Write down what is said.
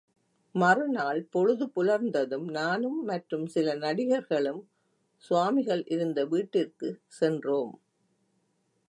மறுநாள் பொழுது புலர்ந்ததும் நானும் மற்றும் சில நடிகர்களும் சுவாமிகள் இருந்தவீட்டிற்குச்சென்றோம்.